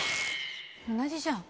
同じじゃん！